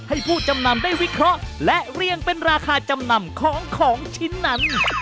ผู้จำนำได้วิเคราะห์และเรียงเป็นราคาจำนำของของชิ้นนั้น